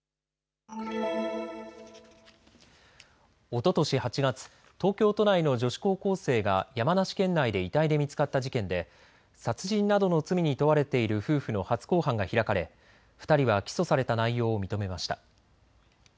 おととし８月、東京都内の女子高校生が山梨県内で遺体で見つかった事件で殺人などの罪に問われている夫婦の初公判が開かれ２人は起訴された内容を認めました。